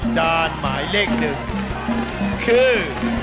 จานหมายเลขหนึ่งคือ